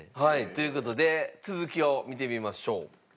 という事で続きを見てみましょう。